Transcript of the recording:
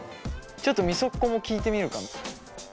ちょっとみそっこも聞いてみるか。